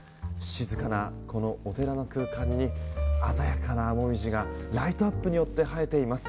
静かなこのお寺の空間に鮮やかなモミジがライトアップによって映えています。